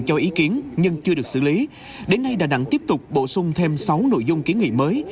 cho ý kiến nhưng chưa được xử lý đến nay đà nẵng tiếp tục bổ sung thêm sáu nội dung kiến nghị mới